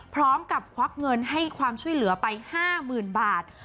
พร้อมกับควักเงินให้ความช่วยเหลือไป๕๐๐๐๐บาท